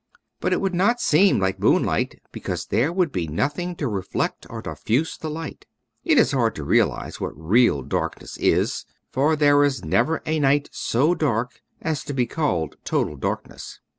But it would not seem like moonlight, because there would be nothing to reflect or diffuse the light. It is hard to realize what real darkness is — for there is never a night so dark as to be called total dark ness.